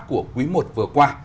của quý một vừa qua